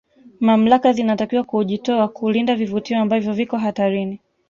mamlaka zinatakiwa kuujitoa kulinda vivutio ambavyo viko hatarini